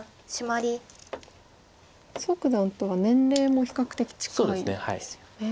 蘇九段とは年齢も比較的近いですよね。